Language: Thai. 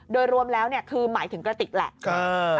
โดยรวมแล้วคือหมายถึงกระติกแหละ